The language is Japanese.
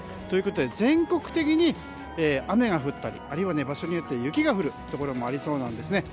ということで全国的に雨が降ったりあるいは場所によっては雪が降るところもありそうです。